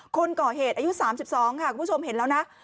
คนก่อเหตุอายุ๓๒ค่ะคุณผู้ชมเห็นแล้วนะ